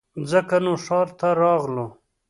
ځکه نو ښار ته راغلو